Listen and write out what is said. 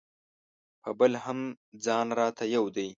په بل هم ځان راته یو دی.